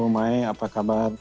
maik apa kabar